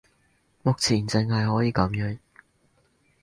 目前淨係可以噉樣